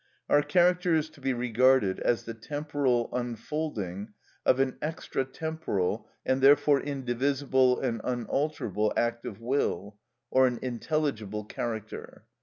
Our character is to be regarded as the temporal unfolding of an extra temporal, and therefore indivisible and unalterable, act of will, or an intelligible character.